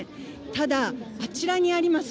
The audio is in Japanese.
ただ、あちらにあります